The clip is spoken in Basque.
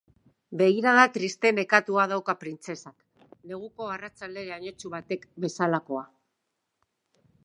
Begirada triste nekatua dauka printzesak, neguko arratsalde lainotsu batek bezalakoa.